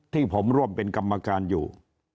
ที่ผมร่วมเป็นกรรมการอยู่